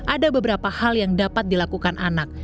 ada beberapa hal yang dapat dilakukan anak